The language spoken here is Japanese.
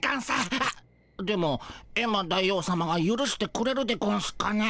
あっでもエンマ大王さまがゆるしてくれるでゴンスかね？